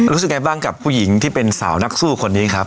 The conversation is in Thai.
รู้สึกไงบ้างกับผู้หญิงที่เป็นสาวนักสู้คนนี้ครับ